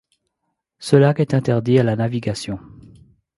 Ce lac est interdit à la navigation.